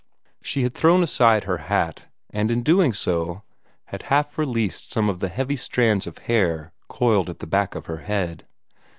She had thrown aside her hat, and in doing so had half released some of the heavy strands of hair coiled at the back of her head.